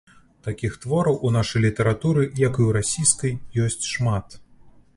Такіх твораў у нашай літаратуры, як і ў расійскай, ёсць шмат.